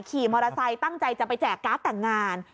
ขี่มอเตอร์ไซค์ตั้งใจจะไปแจกการ์ดแต่งงาน